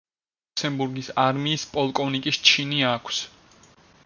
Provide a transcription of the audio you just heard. ლუქსემბურგის არმიის პოლკოვნიკის ჩინი აქვს.